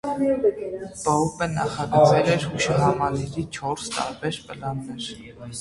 Պոուպը նախագծել էր հուշահամալիրի չորս տարբեր պլաններ։